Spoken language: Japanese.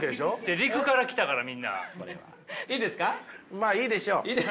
まあいいでしょう。